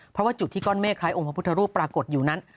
เพราะว่าจุดที่ก้อนเมฆคล้ายองค์พระพุทธรูปปรากฏอยู่นั้น